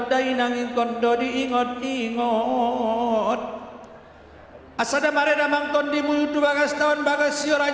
tentang prosesi ini saya ingin mengucapkan kepada anda